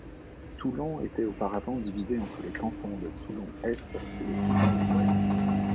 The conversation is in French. Toulon était auparavant divisée entre les cantons de Toulon-Est et de Toulon-Ouest.